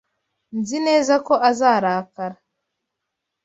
Nzi neza ko azarakara.